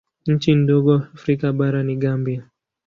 Nchi ndogo Afrika bara ni Gambia.